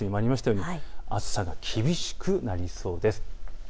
暑さが厳しくなりそうです。